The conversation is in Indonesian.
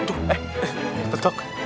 tuh eh betok